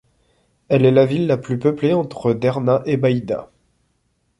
Elle est la ville la plus peuplée entre Derna et Bayda.